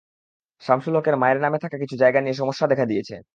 শামসুল হকের মায়ের নামে থাকা কিছু জায়গা নিয়ে সমস্যা দেখা দিয়েছে।